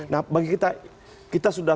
nah bagi kita kita sudah